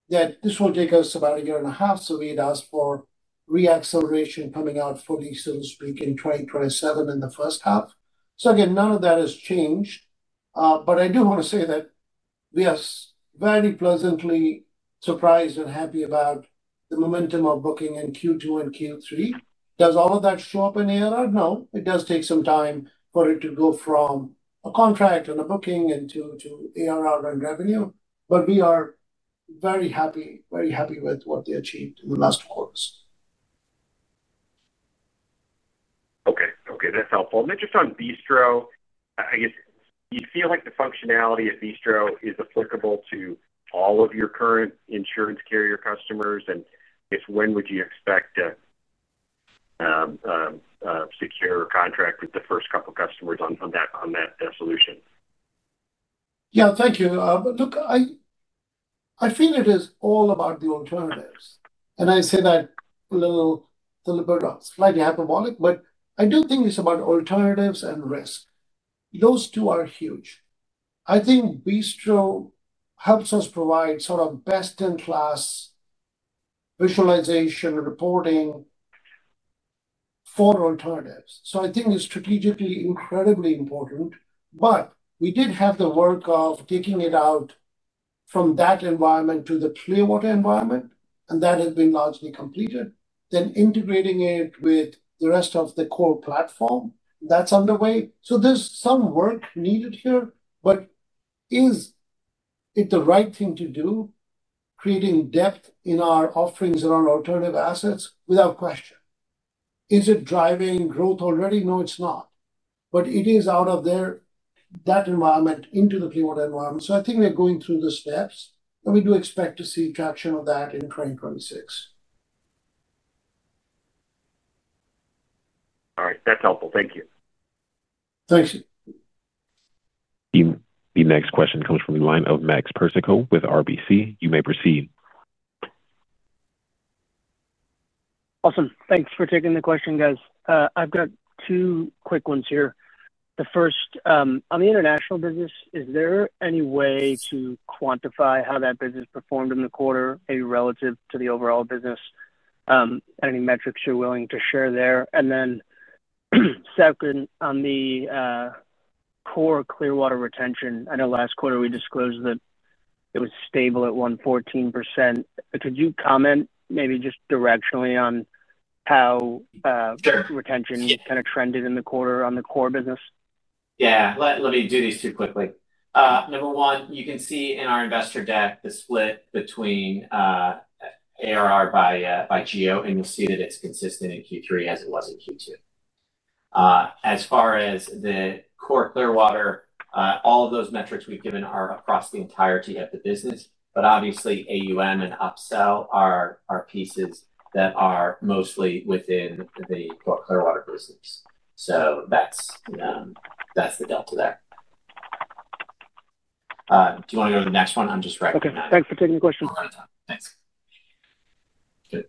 that this will take us about a year and a half. We'd ask for re-acceleration coming out fully, so to speak, in 2027 in the first half. None of that has changed. I do want to say that we are very pleasantly surprised and happy about the momentum of booking in Q2 and Q3. Does all of that show up in ARR? No. It does take some time for it to go from a contract and a booking into ARR and revenue. We are very happy, very happy with what we achieved in the last quarters. Okay. That's helpful. Just on Bistro, I guess you feel like the functionality of Bistro is applicable to all of your current insurance carrier customers. I guess when would you expect to secure a contract with the first couple of customers on that solution? Yeah. Thank you. Look. I feel it is all about the alternatives. I say that a little bit slightly hyperbolic, but I do think it's about alternatives and risk. Those two are huge. I think Bistro helps us provide sort of best-in-class visualization and reporting for alternatives. I think it's strategically incredibly important. We did have the work of taking it out from that environment to the Clearwater environment, and that has been largely completed. Integrating it with the rest of the core platform, that's underway. There is some work needed here. Is it the right thing to do? Creating depth in our offerings around alternative assets? Without question. Is it driving growth already? No, it's not. It is out of that environment into the Clearwater environment. I think we're going through the steps, and we do expect to see traction of that in 2026. All right. That's helpful. Thank you. Thanks. The next question comes from the line of Max Persico with RBC. You may proceed. Awesome. Thanks for taking the question, guys. I've got two quick ones here. The first, on the international business, is there any way to quantify how that business performed in the quarter, maybe relative to the overall business? Any metrics you're willing to share there? Second, on the core Clearwater retention, I know last quarter we disclosed that it was stable at 114%. Could you comment maybe just directionally on how retention kind of trended in the quarter on the core business? Yeah. Let me do these two quickly. Number one, you can see in our investor deck the split between ARR by GEO, and you'll see that it's consistent in Q3 as it was in Q2. As far as the core Clearwater, all of those metrics we've given are across the entirety of the business. Obviously, AUM and Upsell are pieces that are mostly within the core Clearwater business. That's the delta there. Do you want to go to the next one? I'm just writing that. Okay. Thanks for taking the question. Thanks. Good.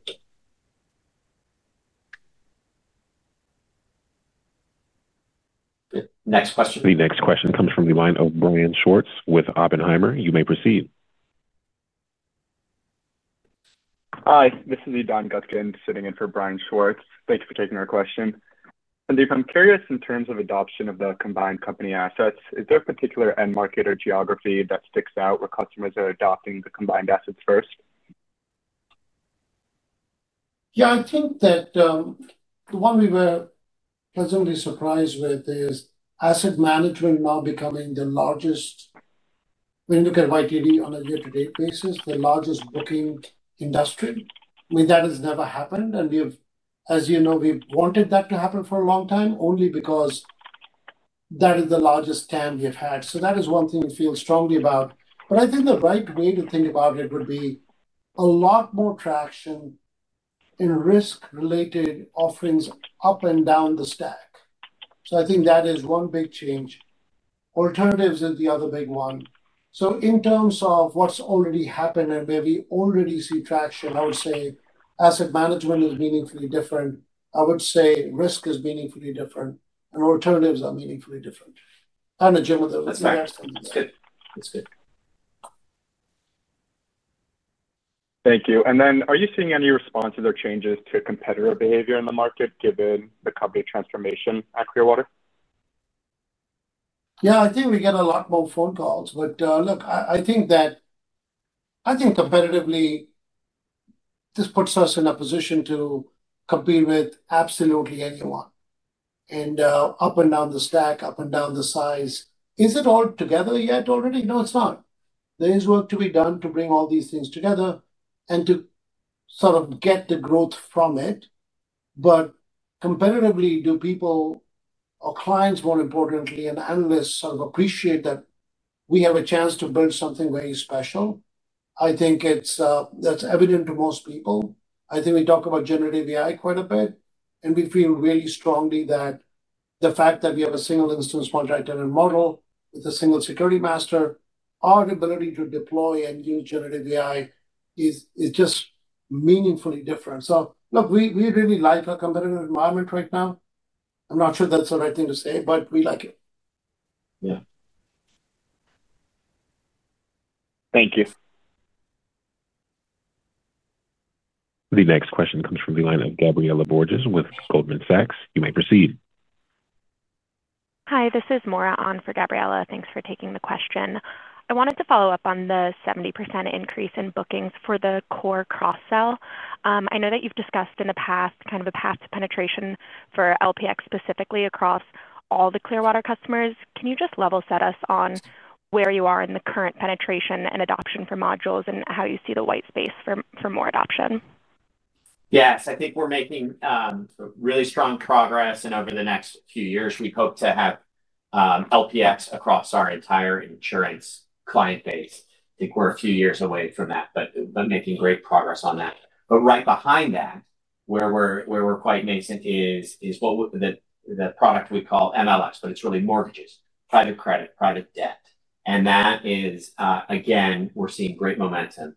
Next question. The next question comes from the line of Brian Schwartz with Oppenheimer. You may proceed. Hi. This is [Edon Gutkin] sitting in for Brian Schwartz. Thank you for taking our question. If I'm curious, in terms of adoption of the combined company assets, is there a particular end market or geography that sticks out where customers are adopting the combined assets first? Yeah. I think that. The one we were pleasantly surprised with is asset management now becoming the largest. When you look at YTD on a year-to-date basis, the largest booking industry. I mean, that has never happened. As you know, we've wanted that to happen for a long time only because that is the largest scam we've had. That is one thing we feel strongly about. I think the right way to think about it would be a lot more traction in risk-related offerings up and down the stack. I think that is one big change. Alternatives is the other big one. In terms of what has already happened and where we already see traction, I would say asset management is meaningfully different. I would say risk is meaningfully different, and alternatives are meaningfully different. Kind of Jim with the response on that. That is good. That is good. Thank you. Are you seeing any responses or changes to competitor behavior in the market given the company transformation at Clearwater? Yeah. I think we get a lot more phone calls. Look, I think comparatively. This puts us in a position to compete with absolutely anyone and up and down the stack, up and down the size. Is it all together yet already? No, it's not. There is work to be done to bring all these things together and to sort of get the growth from it. But comparatively, do people or clients, more importantly, and analysts sort of appreciate that we have a chance to build something very special? I think that's evident to most people. I think we talk about generative AI quite a bit. And we feel really strongly that the fact that we have a single instance multitenant model with a single security master, our ability to deploy and use generative AI is just meaningfully different. Look, we really like our competitive environment right now. I'm not sure that's the right thing to say, but we like it. Yeah. Thank you. The next question comes from the line of [Maura Ahn] with Goldman Sachs. You may proceed. Hi. This is [Maura Ahn] for Gabriella. Thanks for taking the question. I wanted to follow up on the 70% increase in bookings for the core cross-sell. I know that you've discussed in the past kind of a path to penetration for LPX specifically across all the Clearwater customers. Can you just level set us on where you are in the current penetration and adoption for modules and how you see the white space for more adoption? Yes. I think we're making really strong progress. And over the next few years, we hope to have LPX across our entire insurance client base. I think we're a few years away from that, but making great progress on that. Right behind that, where we're quite nascent, is the product we call MLX, but it's really mortgages, private credit, private debt. That is, again, we're seeing great momentum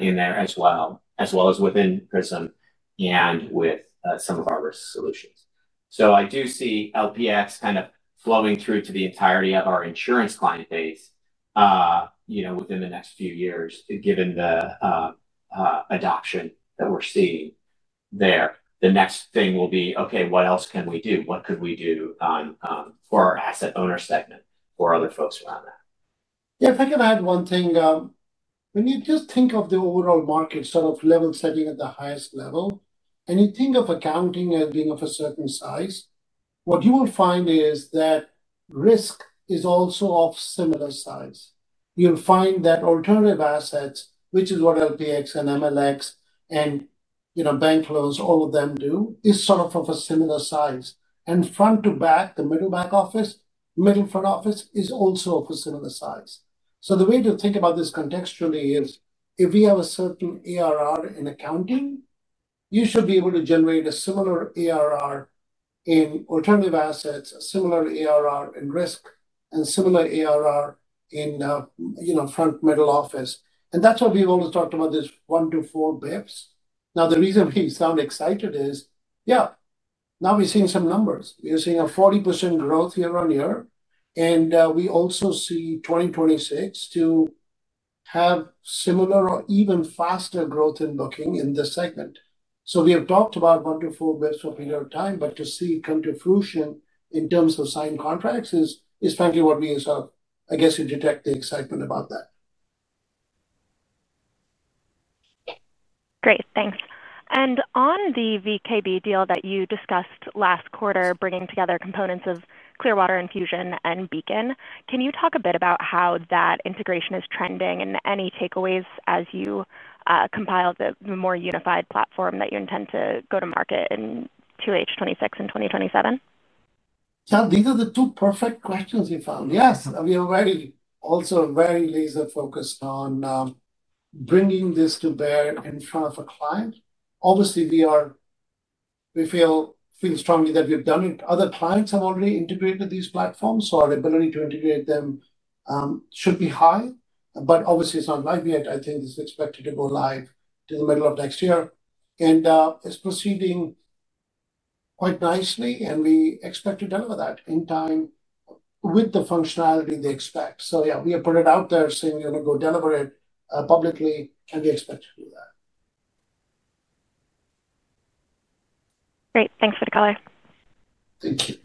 in there as well, as well as within Prism and with some of our risk solutions. I do see LPX kind of flowing through to the entirety of our insurance client base within the next few years, given the adoption that we're seeing there. The next thing will be, okay, what else can we do? What could we do for our asset owner segment or other folks around that? Yeah. If I can add one thing. When you just think of the overall market, sort of level setting at the highest level, and you think of accounting as being of a certain size, what you will find is that risk is also of similar size. You'll find that alternative assets, which is what LPX and MLX and bank loans, all of them do, is sort of of a similar size. Front to back, the middle back office, middle front office is also of a similar size. The way to think about this contextually is if we have a certain ARR in accounting, you should be able to generate a similar ARR in alternative assets, a similar ARR in risk, and a similar ARR in front middle office. That is why we've always talked about this one to four basis points. The reason we sound excited is, yeah, now we're seeing some numbers. We're seeing a 40% growth year-on-year. We also see 2026 to have similar or even faster growth in booking in this segment. We have talked about one to four basis points for a period of time, but to see it come to fruition in terms of signed contracts is frankly what you sort of, I guess, detect the excitement about that. Great. Thanks. On the VKB deal that you discussed last quarter, bringing together components of Clearwater, Enfusion, and Beacon, can you talk a bit about how that integration is trending and any takeaways as you compile the more unified platform that you intend to go to market in QH 2026 and 2027? Yeah. These are the two perfect questions we found. Yes. We are also very laser-focused on bringing this to bear in front of a client. Obviously, we feel strongly that we've done it. Other clients have already integrated these platforms, so our ability to integrate them should be high. Obviously, it's not live yet. I think it's expected to go live to the middle of next year. It's proceeding quite nicely, and we expect to deliver that in time with the functionality they expect. Yeah, we have put it out there saying we're going to go deliver it publicly, and we expect to do that. Great. Thanks, for the color. Thank you.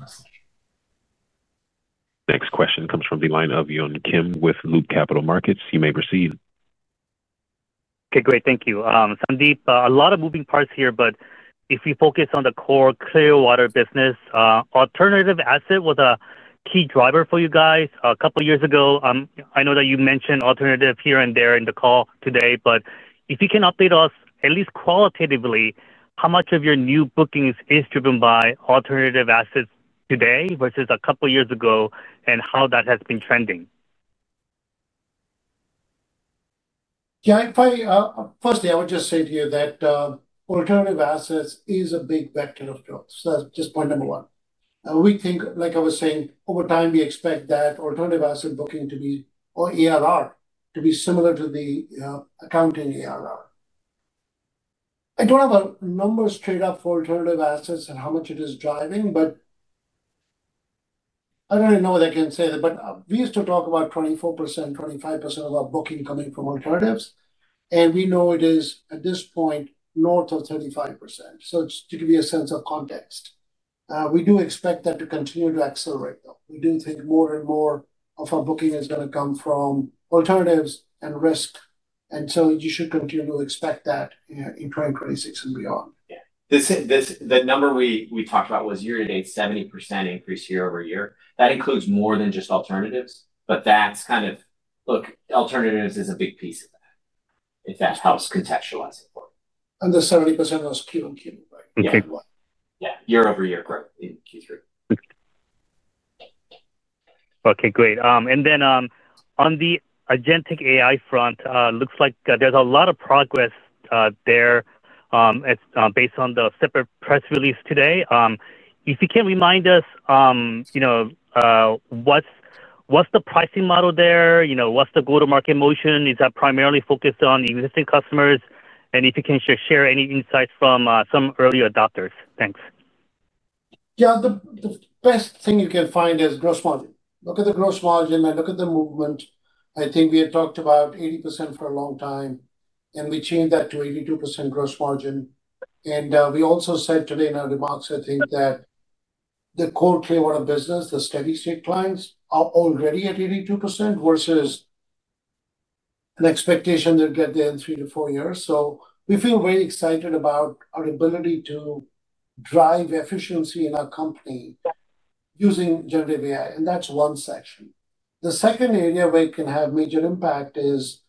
Next question comes from the line of Yun Kim with Loop Capital Markets. You may proceed. Okay. Great. Thank you. Sandeep, a lot of moving parts here, but if we focus on the core Clearwater business. Alternative asset was a key driver for you guys a couple of years ago. I know that you mentioned alternative here and there in the call today, but if you can update us, at least qualitatively, how much of your new bookings is driven by alternative assets today versus a couple of years ago and how that has been trending? Yeah. Firstly, I would just say to you that alternative assets is a big vector of growth. So that's just point number one. Like I was saying, over time, we expect that alternative asset booking to be, or ARR, to be similar to the accounting ARR. I don't have a number straight up for alternative assets and how much it is driving, but I don't even know what I can say. But we used to talk about 24%-25% of our booking coming from alternatives. And we know it is, at this point, north of 35%. It is to give you a sense of context. We do expect that to continue to accelerate, though. We do think more and more of our booking is going to come from alternatives and risk. You should continue to expect that in 2026 and beyond. Yeah. The number we talked about was year-to-date 70% increase year over year. That includes more than just alternatives, but that is kind of, look, alternatives is a big piece of that. If that helps contextualize it for you. The 70% was Q1, Q2, right? Yeah. Year-over-year growth in Q3. Okay. Great. On the agentic AI front, it looks like there is a lot of progress there. Based on the separate press release today. If you can remind us, what is the pricing model there? What is the go-to-market motion? Is that primarily focused on existing customers? If you can share any insights from some early adopters. Thanks. Yeah. The best thing you can find is gross margin. Look at the gross margin and look at the movement. I think we had talked about 80% for a long time, and we changed that to 82% gross margin. We also said today in our remarks, I think, that the core Clearwater business, the steady-state clients, are already at 82% versus an expectation they'll get there in three to four years. We feel very excited about our ability to drive efficiency in our company using generative AI. That is one section. The second area where it can have major impact is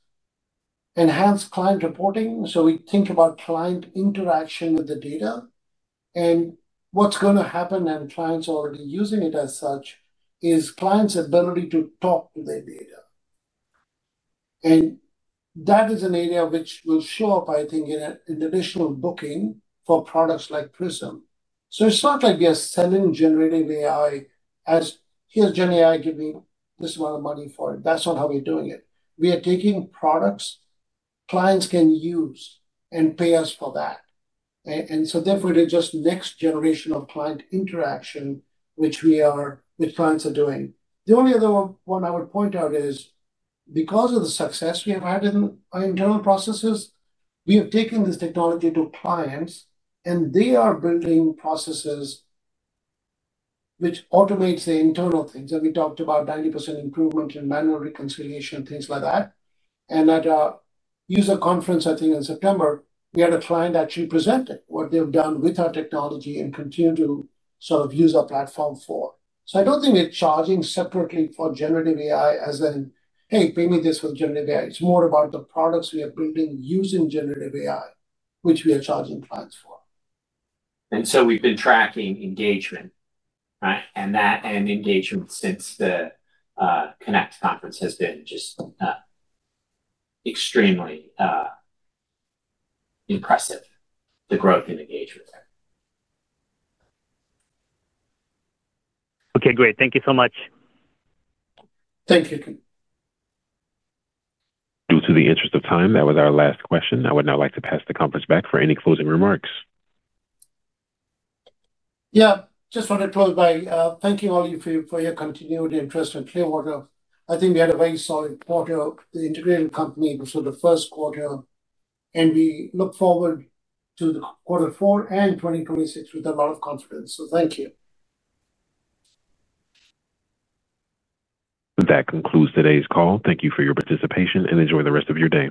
enhanced client reporting. We think about client interaction with the data, and what is going to happen, and clients are already using it as such, is clients' ability to talk to their data. That is an area which will show up, I think, in additional booking for products like Prism. It is not like we are selling generative AI as, "Here's GenAI giving this amount of money for it." That is not how we are doing it. We are taking products clients can use and pay us for that. Therefore, it is just next generation of client interaction which clients are doing. The only other one I would point out is, because of the success we have had in our internal processes, we have taken this technology to clients, and they are building processes which automate the internal things. We talked about 90% improvement in manual reconciliation and things like that. At a user conference, I think, in September, we had a client actually present what they have done with our technology and continue to sort of use our platform for. I do not think we are charging separately for generative AI as in, "Hey, pay me this for generative AI." It is more about the products we are building using generative AI, which we are charging clients for. We have been tracking engagement. Engagement since the Connect conference has been just extremely impressive, the growth in engagement there. Okay. Great. Thank you so much. Thank you too. Due to the interest of time, that was our last question. I would now like to pass the conference back for any closing remarks. Yeah. Just want to close by thanking all of you for your continued interest in Clearwater. I think we had a very solid quarter, the integrated company for the first quarter. We look forward to the quarter four and 2026 with a lot of confidence. Thank you. That concludes today's call. Thank you for your participation and enjoy the rest of your day.